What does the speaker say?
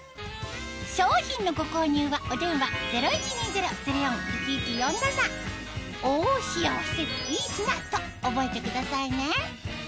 商品のご購入はお電話０１２０−０４−１１４７と覚えてくださいね